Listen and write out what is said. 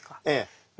ええ。